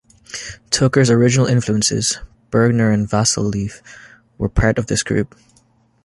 Tucker's original influences, Bergner and Vassilieff, were part of this group.